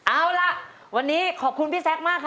เอาล่ะวันนี้ขอบคุณพี่แซคมากค่ะ